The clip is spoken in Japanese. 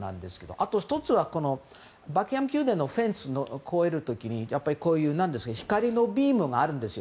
あと１つは、バッキンガム宮殿のフェンスを越える時にやっぱり光のビームがあるんですよ。